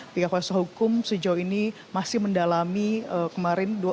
pihak kuasa hukum sejauh ini masih mendalami kemarin